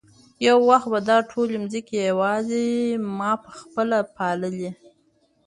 یو وخت به دا ټولې مځکې یوازې ما په خپله پاللې.